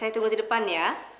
saya tunggu di depan ya